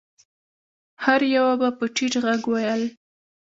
هر يوه به په ټيټ غږ ويل.